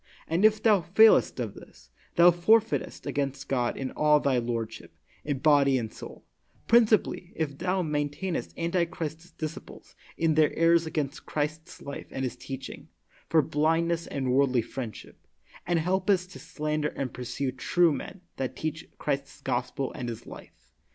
And if thou f ailest of this, thou f orf eitest against God in all thy lordship, in body and soul ; principally if thou maintainest antichrist's disciples in their errors against Christ's life and His teach ing, for blindness and worldly friendship, and helpest to slander and pursue true men that teach Christ's gospel and His life.